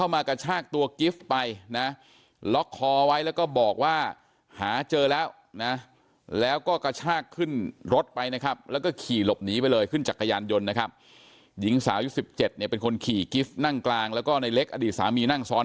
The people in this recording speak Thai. มันจะยากเลยถ้าข้ามฝั่งนู้น